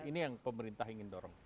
ini yang pemerintah ingin dorong